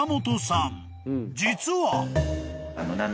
［実は］